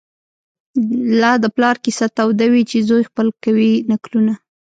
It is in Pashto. لا د پلار کیسه توده وي چي زوی خپل کوي نکلونه